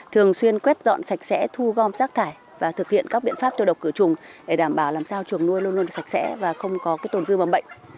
thường xuyên quét dọn sạch sẽ thu gom rác thải và thực hiện các biện pháp tiêu độc cửa trùng để đảm bảo làm sao chuồng nuôi luôn luôn sạch sẽ và không có tồn dư bầm bệnh